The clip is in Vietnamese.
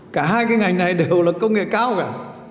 cả hai cái ngành này đều là công nghệ cao cả